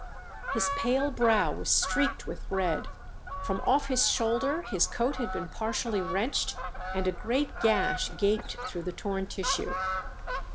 His pale brow was streaked with red; from off his shoulder his coat had been partially wrenched, and a great gash gaped through the torn tissue.